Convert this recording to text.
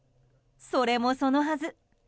それもそのはず